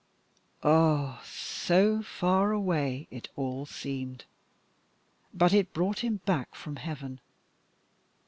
Ah, so far away it all seemed! But it brought him back from heaven.